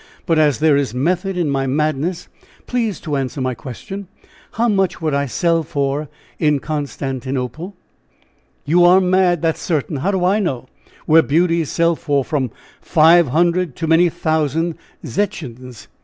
But as there is method in my madness, please to answer my question. How much would I sell for in Constantinople?" "You are mad; that's certain! How do I know where beauties sell for from five hundred to many thousand zechins.